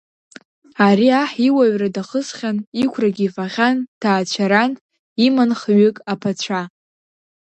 Ари аҳ иуаҩра дахысхьан, иқәрагьы ифахьан, дҭаацәаран, иман хҩык аԥацәа.